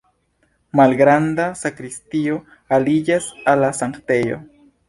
Malgranda sakristio aliĝas al la sanktejo.